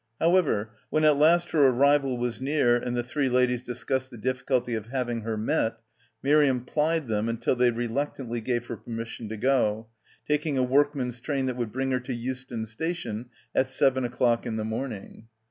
However, when at last her arrival was near and the three ladies discussed the difficulty of having her met, Miriam plied diem until they reluctantly gave her permission to go, taking a workman's train that would bring her to Euston station at seven o'clock in the morning.